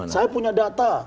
saya punya data